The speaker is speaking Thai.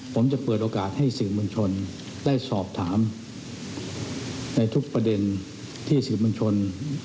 ผมจะเปิดโอกาสให้สื่อมวลชนได้สอบถามในทุกประเด็นที่สื่อมวลชน